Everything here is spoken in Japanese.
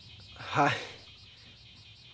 はい。